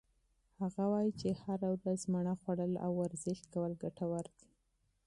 هغه وایي چې هره ورځ مڼه خوړل او ورزش کول ګټور دي.